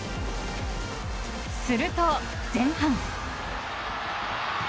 すると前半。